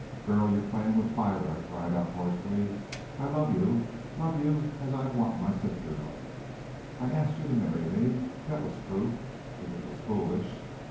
"Girl, you're playing with fire!" I cried out hoarsely. "I love you love you as I'd want my sister loved. I asked you to marry me. That was proof, if it was foolish.